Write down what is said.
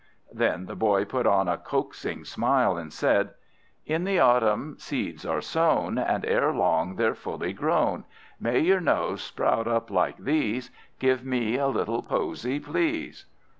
Then the boy put on a coaxing smile, and said: "In the autumn seeds are sown, And ere long they're fully grown; May your nose sprout up like these! Give me a little posy, please!"